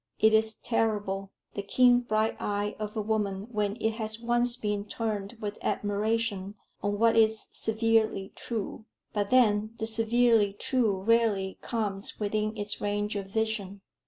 It is terrible the keen bright eye of a woman when it has once been turned with admiration on what is severely true; but then, the severely true rarely comes within its range of vision.